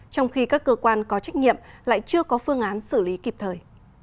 trong khi các cơ quan có trách nhiệm lại chưa có phương án xử lý kịp thời